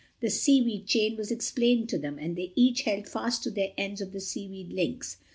The seaweed chain was explained to them, and they each held fast to their ends of the seaweed links.